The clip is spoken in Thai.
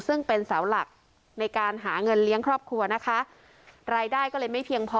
ซึ่งเป็นเสาหลักในการหาเงินเลี้ยงครอบครัวนะคะรายได้ก็เลยไม่เพียงพอ